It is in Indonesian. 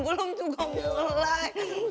belum juga mulai